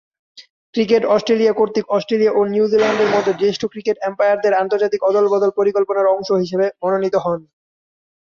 Cricket Australia কর্তৃক Australia ও নিউজিল্যান্ডের মধ্যে জ্যেষ্ঠ ক্রিকেট আম্পায়ারদের আন্তর্জাতিক অদল-বদল পরিকল্পনার অংশ হিসেবে মনোনীত হন।